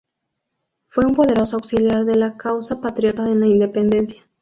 Fue un poderoso auxiliar de la causa patriota en la independencia.